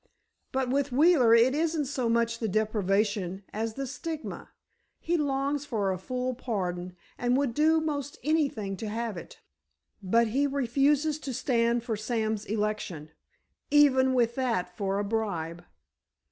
"But with Wheeler it isn't so much the deprivation as the stigma. He longs for a full pardon, and would do most anything to have it, but he refuses to stand for Sam's election, even with that for a bribe."